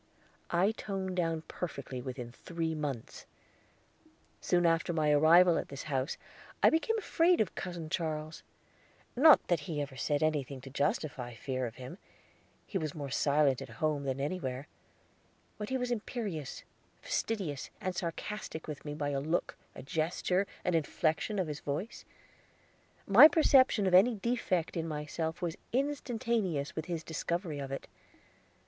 I toned down perfectly within three months. Soon after my arrival at his house I became afraid of Cousin Charles. Not that he ever said anything to justify fear of him he was more silent at home than elsewhere; but he was imperious, fastidious, and sarcastic with me by a look, a gesture, an inflection of his voice. My perception of any defect in myself was instantaneous with his discovery of it.